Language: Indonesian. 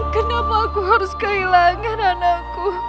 kenapa aku harus kehilangan anakku